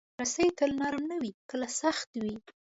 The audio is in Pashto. رسۍ تل نرم نه وي، کله سخت وي.